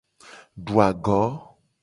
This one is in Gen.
Du ago.